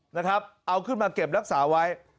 นะครับเอาขึ้นมาเก็บรักษาไว้